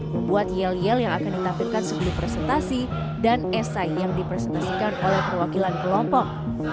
membuat yel yel yang akan ditampilkan sebelum presentasi dan esai yang dipresentasikan oleh perwakilan kelompok